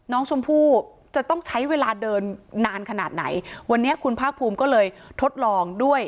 น้องชมพู่จะต้องใช้เวลาเดินนานขนาดไหนวันนี้คุณภาคภูมิก็เลยทดลองด้วย